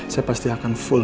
saya pasti akan full